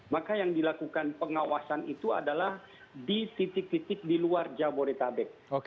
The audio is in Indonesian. maka yang dilakukan pengawasan itu adalah di titik titik di luar jabodetabek